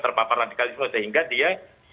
terpapar radikalisme sehingga dia